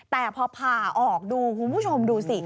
แต่พอผ่าออกดูคุณผู้ชมดูสิ